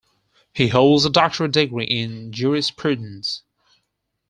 He holds a doctorate degree in Jurisprudence.